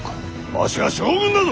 わしは将軍だぞ！